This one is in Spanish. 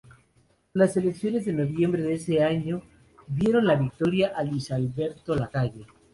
Las elecciones de noviembre de ese año dieron la victoria a Luis Alberto Lacalle.